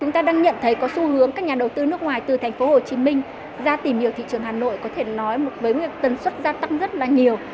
thấy có xu hướng các nhà đầu tư nước ngoài từ tp hcm ra tìm hiểu thị trường hà nội có thể nói với nguyện tần xuất gia tăng rất là nhiều